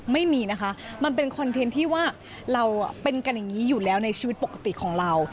ไม่มีนะคะมันเป็นคอนเทนต์ที่ว่าเราเป็นกันอย่างนี้อยู่แล้วในชีวิตปกติของเรา